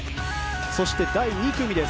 そして、第２組です。